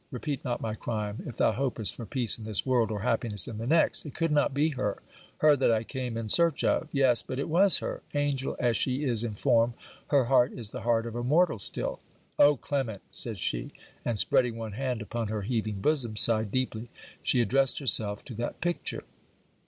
repeat not my crime, if thou hopest for peace in this world, or happiness in the next! It could not be her, her that I came in search of! Yes, but it was her. Angel as she is in form, her heart is the heart of a mortal still. 'Oh, Clement!' said she, and, spreading one hand upon her heaving bosom, sighed deeply. She addressed herself to that picture.